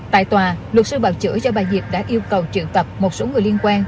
tại tòa luật sư bảo chữa cho bà diệp đã yêu cầu triệu tập một số người liên quan